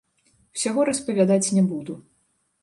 Усяго распавядаць не буду.